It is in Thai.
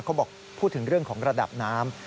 เขาบอกพูดถึงเรื่องของระดับน้ำ